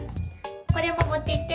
これも持っていって。